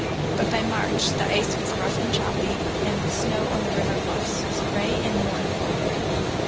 But by March the ice was rough and choppy, and the snow on the river bluffs was gray and mournful looking.